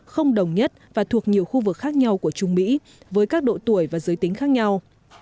không đồng nhất và thuộc nhiều khu vực khác nhau của trung mỹ với các độ tuổi và giới tính khác nhau